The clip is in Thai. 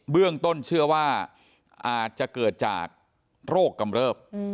เรื่องต้นเชื่อว่าอาจจะเกิดจากโรคกำเริบ